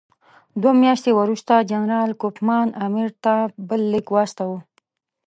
دوه میاشتې وروسته جنرال کوفمان امیر ته بل لیک واستاوه.